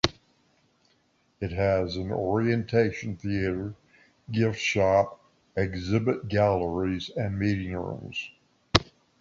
It has an orientation theater, giftshop, exhibit galleries, and meeting rooms.